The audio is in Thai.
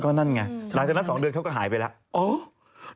นั่นไงหลังจากนั้น๒เดือนเขาก็หายไปแล้ว